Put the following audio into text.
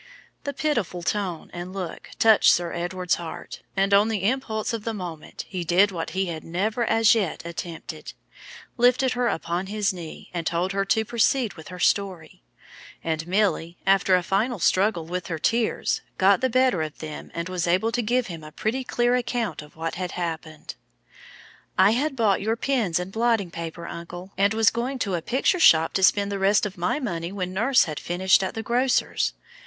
The pitiful tone and look touched Sir Edward's heart, and, on the impulse of the moment, he did what he had never as yet attempted lifted her upon his knee, and told her to proceed with her story; and Milly, after a final struggle with her tears, got the better of them, and was able to give him a pretty clear account of what had happened. "I had bought your pens and blotting paper, uncle, and was going to a picture shop to spend the rest of my money when nurse had finished at the grocer's.